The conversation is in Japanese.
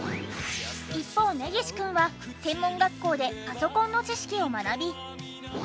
一方根岸くんは専門学校でパソコンの知識を学び。